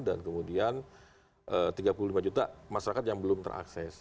dan kemudian tiga puluh lima juta masyarakat yang belum terakses